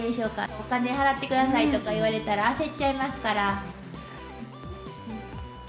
お金払ってくださいとか言われたら焦っちゃいますから。